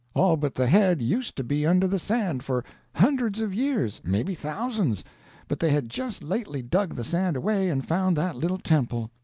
All but the head used to be under the sand, for hundreds of years, maybe thousands, but they had just lately dug the sand away and found that little temple.